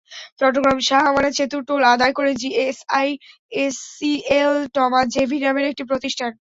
চট্টগ্রাম শাহ আমানত সেতুর টোল আদায় করে জিএসআই-এসইএল টমা-জেভি নামের একটি প্রতিষ্ঠান।